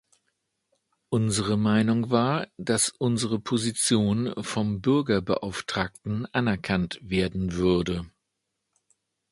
Unsere Meinung war, dass unsere Position vom Bürgerbeauftragten anerkannt werden würde.